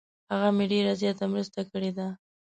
هغه مې ډیر زیاته مرسته کړې ده.